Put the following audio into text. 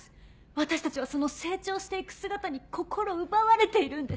私たちはその成長していく姿に心奪われているんです！